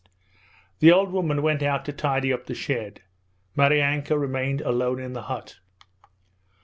The old woman went out to tidy up the shed. Maryanka remained alone in the hut.